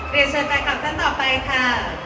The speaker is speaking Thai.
เรียนเชิญแฟนคลับท่านต่อไปค่ะ